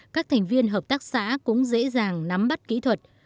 các thành viên hợp tác xã cũng dễ dàng nắm bắt kỹ thuật